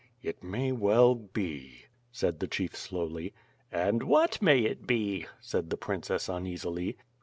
"It may well be," said the chief slowly. "And what may it be?" said the princess uneasily.